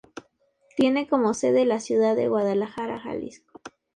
Tiene como sede la ciudad de Guadalajara, Jalisco.